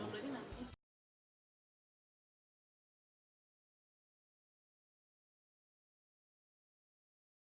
boleh diganti sampai dengan nanti pelaksanaan pemberantuan